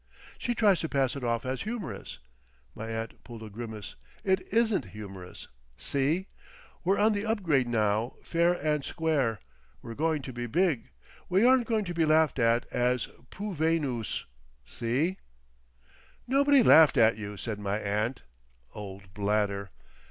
She tries to pass it off as humorous"—my aunt pulled a grimace—"it isn't humorous! See! We're on the up grade now, fair and square. We're going to be big. We aren't going to be laughed at as Poovenoos, see!" "Nobody laughed at you," said my aunt. "Old Bladder!"